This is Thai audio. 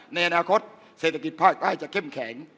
ในอนาคตเศรษฐกิจภาคใต้จะเข้มแข็ง